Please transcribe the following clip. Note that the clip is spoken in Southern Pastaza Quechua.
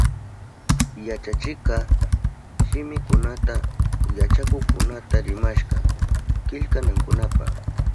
Yachachikka shimikunata yachakukkunata rimashka killkanankunapa.